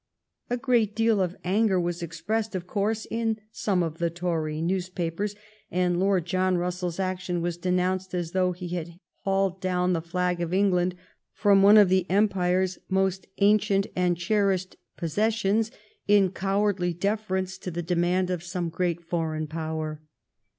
A great deal of anger was expressed, of course, in some of the Tory newspapers, and Lord John Russell's action was denounced as though he had hauled down the flag of England from one of the Empire's most ancient and cherished possessions THE IONIAN ISLANDS Earl Russell (Loru Ji in cowardly deference to the demand of some great foreign power.